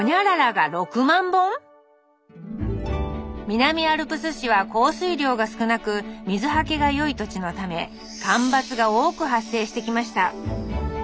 南アルプス市は降水量が少なく水はけが良い土地のため干ばつが多く発生してきました。